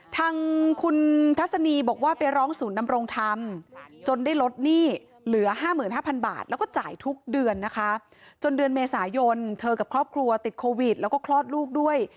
ทางคุณทัศนีบอกว่าไปร้องศูนย์ดำรงธรรมจนได้ลดหนี้เหลือ๕๕๐๐บาทแล้วก็จ่ายทุกเดือนนะคะจนเดือนเมษายนเธอกับครอบครัวติดโควิดแล้วก็คลอดลูกด้วย